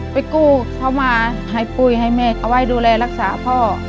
ไปกู้เขามาให้ปุ้ยให้แม่เอาไว้ดูแลรักษาพ่อ